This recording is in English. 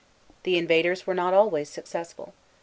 The invaders were not always successful.